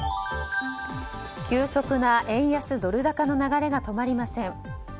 急速な円安ドル高の流れが止まりません。